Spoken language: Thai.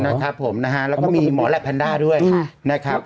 นะครับผมนะฮะแล้วก็มีหมอแหลปแพนด้าด้วยนะครับ